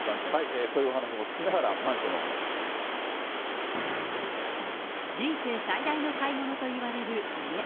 そういうお話も聞きながら、人生最大の買い物といわれる家。